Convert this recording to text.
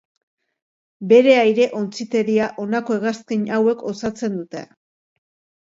Bere aire-ontziteria honako hegazkin hauek osatzen dute.